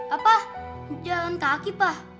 apa jalan kaki pa